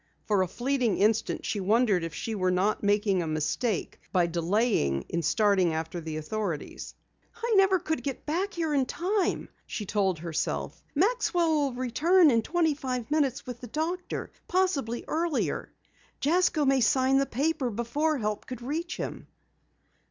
For a fleeting instant she wondered if she were not making a mistake by delaying in starting after the authorities. "I never could get back here in time," she told herself. "Maxwell will return in twenty five minutes with the doctor, possibly earlier. Jasko may sign the paper before help could reach him."